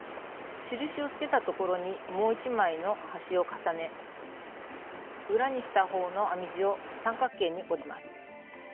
印をつけたところにもう一枚の端を重ね裏にしたほうの編み地を三角形に折ります。